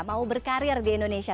mau berkarir di indonesia